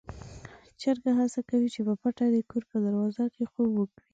چرګ هڅه کوي چې په پټه د کور په دروازه کې خوب وکړي.